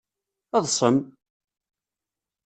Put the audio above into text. Ḍsem!